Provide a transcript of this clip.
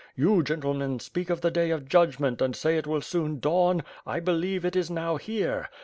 You, gentlemen, speak of the day of Judgment and say it will Hoon dawn — I believe it is now here.